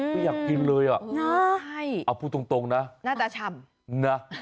ไม่อยากกินเลยอ่ะง่ายเอาพูดตรงนะน่าจะฉ่ำนะ